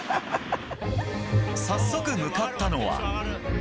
早速向かったのは。